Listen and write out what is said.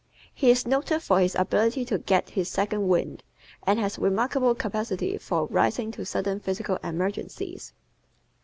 He is noted for his ability to get "his second wind" and has remarkable capacity for rising to sudden physical emergencies.